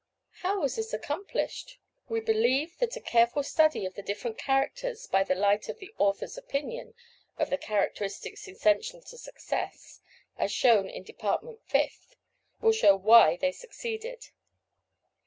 How was this accomplished? We believe that a careful study of the different characters, by the light of the author's opinion of the characteristics essential to success, as shown in Department Fifth, will show why they succeeded.